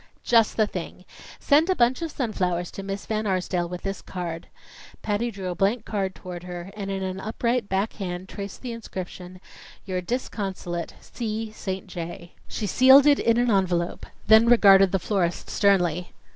"Just the thing! Send a bunch of sunflowers to Miss Van Arsdale with this card." Patty drew a blank card toward her, and in an upright back hand traced the inscription, "Your disconsolate C. St. J." She sealed it in an envelope, then regarded the florist sternly.